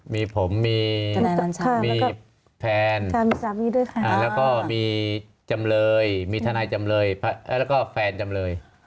มีผมมีแฟนแล้วก็มีจำเลยมีทนายจำเลยแล้วก็แฟนจำเลย